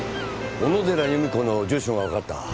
小野寺由美子の住所がわかった。